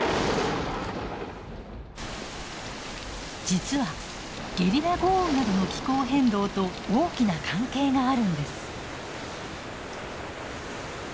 実はゲリラ豪雨などの気候変動と大きな関係があるんです。